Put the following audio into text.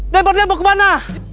den mardian mau ke mana